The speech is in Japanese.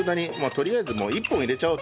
とりあえず１本入れちゃおうと。